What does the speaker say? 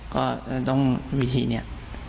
ก็ต้องวิธีนี้